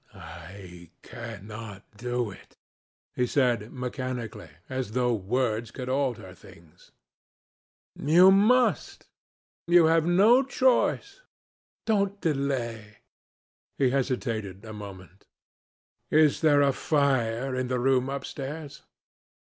"I cannot do it," he said, mechanically, as though words could alter things. "You must. You have no choice. Don't delay." He hesitated a moment. "Is there a fire in the room upstairs?"